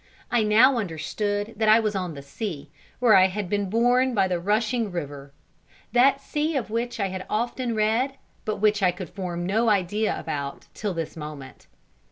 I now understood that I was on the sea, where I had been borne by the rushing river; that sea of which I had often read, but which I could form no idea about till this moment.